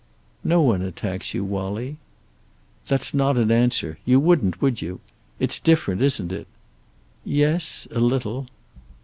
"No one attacks you, Wallie." "That's not an answer. You wouldn't, would you? It's different, isn't it?" "Yes. A little."